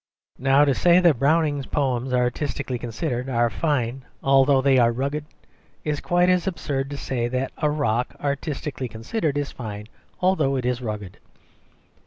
Now, to say that Browning's poems, artistically considered, are fine although they are rugged, is quite as absurd as to say that a rock, artistically considered, is fine although it is rugged.